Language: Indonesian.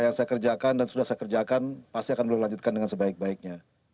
yang saya kerjakan dan sudah saya kerjakan pasti akan beliau lanjutkan dengan sebaik baiknya